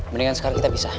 mendingan sekarang kita pisah